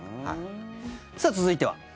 さあ、続いては。